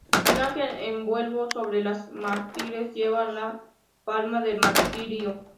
Un ángel en vuelo sobre los mártires lleva la palma del martirio.